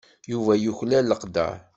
Yuba yuklal leqder.